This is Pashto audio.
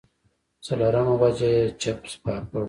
څلورمه وجه ئې چپس پاپړ